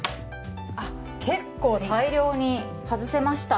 あっ結構大量に外せました。